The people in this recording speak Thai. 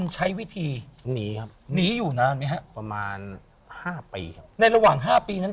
ช็อตเลยทีนี้